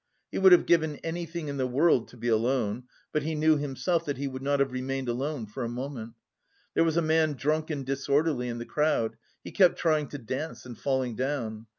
He would have given anything in the world to be alone; but he knew himself that he would not have remained alone for a moment. There was a man drunk and disorderly in the crowd; he kept trying to dance and falling down.